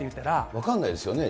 分からないですよね。